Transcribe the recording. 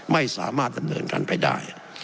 ไม่สามารถดำเนินการไปได้